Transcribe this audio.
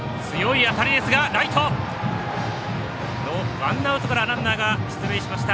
ワンアウトからランナーが出塁しました。